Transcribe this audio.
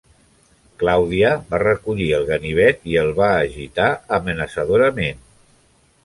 Claudia va recollir el ganivet i el va agitar amenaçadorament.